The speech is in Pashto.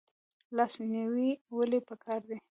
لاس نیوی ولې پکار دی؟